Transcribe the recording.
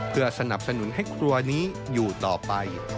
เพื่อสนับสนุนให้ครัวนี้อยู่ต่อไป